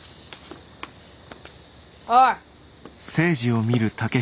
おい。